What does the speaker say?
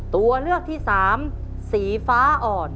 ตัวเลือกที่สามสีฟ้า